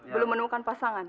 belum menemukan pasangan